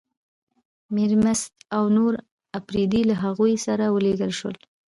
میرمست او نور اپرېدي له هغوی سره ولېږل شول.